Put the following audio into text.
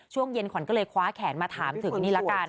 ช่วงเย็นขวัญก็เลยคว้าแขนมาถามถึงนี่ละกัน